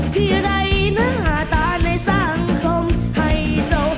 เพียร่ายหน้าตาในสังคมให้โซ่